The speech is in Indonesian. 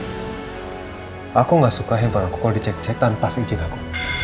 elsa aku gak suka handphone aku call di cek cek tanpa izin aku